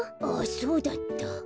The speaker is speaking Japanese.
あっそうだった。